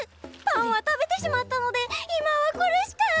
パンは食べてしまったので今はこれしか！